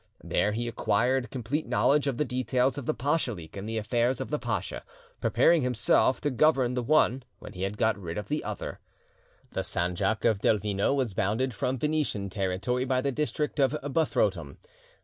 There he acquired complete knowledge of the details of the pachalik and the affairs of the pacha, preparing himself to govern the one when he had got rid of the other. The sanjak of Delvino was bounded from Venetian territory by the district of Buthrotum.